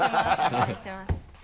お願いします。